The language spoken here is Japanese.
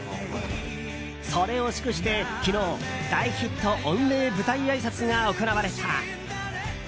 それを祝して昨日大ヒット御礼舞台あいさつが行われた。